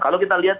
kalau kita lihat